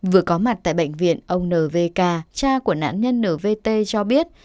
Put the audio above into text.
vừa có mặt tại bệnh viện ông nvk cha của nạn nhân nvt cho biết